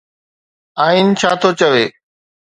آئين ڇا ٿو چوي؟